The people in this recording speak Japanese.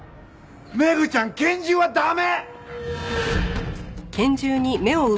メグちゃん拳銃は駄目！